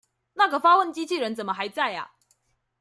那個發問機器人怎麼還在阿